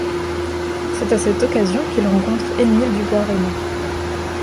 C'est à cette occasion qu'il rencontre Emil Du Bois-Reymond.